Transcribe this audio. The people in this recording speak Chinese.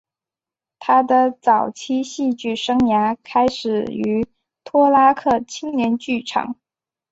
他的早期戏剧生涯开始于托拉克青年剧场。